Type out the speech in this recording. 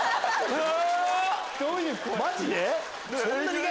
うわ！